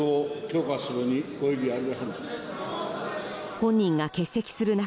本人が欠席する中